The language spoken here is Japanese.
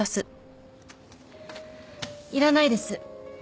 いらないです。